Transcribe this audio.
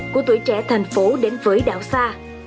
của tuổi trẻ thành phố đến với đảo xa